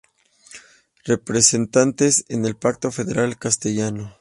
Representante en el Pacto Federal Castellano.